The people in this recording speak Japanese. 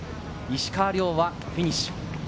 石川遼はフィニッシュ。